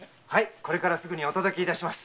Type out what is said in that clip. これからすぐにお届けします。